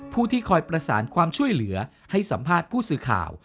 ที่คอยประสานความช่วยเหลือให้สัมภาษณ์ผู้สื่อข่าว